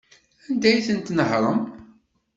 Anda ay ten-tnehṛem?